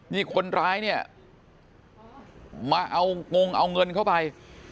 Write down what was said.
นี่คนร้ายเนี่ยมาเอางงเอาเงินเข้าไป